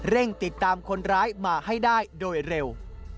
ติดตามคนร้ายมาให้ได้โดยเร็ว